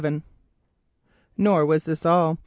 Nor was this all.